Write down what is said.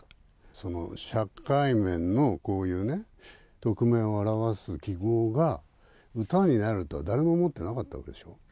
その社会面のこういうね、匿名を表す記号が歌になると誰も思ってなかったでしょ。